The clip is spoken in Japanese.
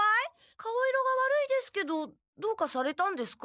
顔色が悪いですけどどうかされたんですか？